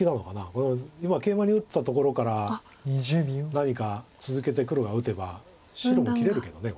これは今ケイマに打ったところから何か続けて黒が打てば白も切れるけどこれ。